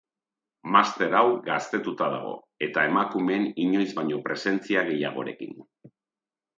Master hau gaztetuta dago, eta emakumeen inoiz baino presentzia gehiagorekin.